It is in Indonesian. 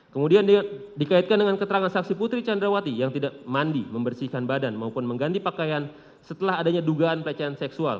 kemudian dikaitkan dengan keterangan saksi putri candrawati yang tidak mandi membersihkan badan maupun mengganti pakaian setelah adanya dugaan pelecehan seksual